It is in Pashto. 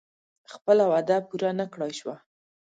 خپله وعده پوره نه کړای شوه.